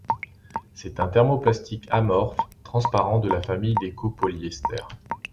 C'est un thermoplastique amorphe transparent de la famille de copolyesters.